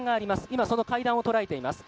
今その階段を捉えています。